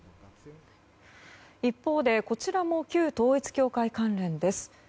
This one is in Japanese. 一方でこちらも旧統一教会関連です。